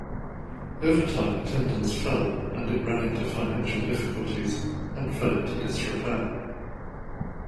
Over time attendance fell and it ran into financial difficulties and fell into disrepair.